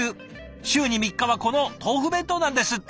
週に３日はこの豆腐弁当なんですって！